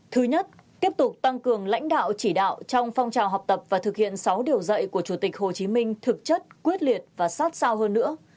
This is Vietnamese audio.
thứ nhất tiếp tục tăng cường lãnh đạo chỉ đạo trong phong trào học tập và thực hiện sáu điều dạy của chủ tịch hồ chí minh thực chất quyết liệt và sát sao hơn nữa